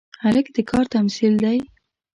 هلک د کار تمثیل دی.